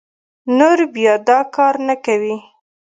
نور بيا دا کار نه کوي